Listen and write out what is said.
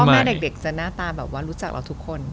แต่เด็กจะหน้าตารู้จักเราทุกคน